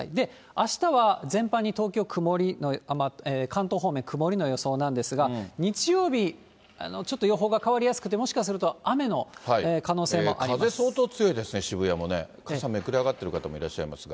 あしたは全般に東京、曇りの、関東方面、曇りの予想なんですが、日曜日、ちょっとよほうがかわりやすくて、もしかすると雨の可能性もありま風、相当強いですね、渋谷もね、傘、めくれ上がってる方もいらっしゃいますが。